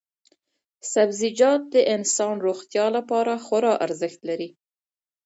سبزیجات د انسان روغتیا لپاره خورا ارزښت لري.